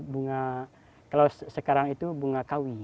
bunga kalau sekarang itu bunga kawi